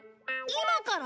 今から！？